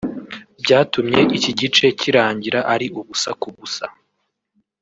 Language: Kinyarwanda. byatumye iki gice kirangira ari ubusa ku busa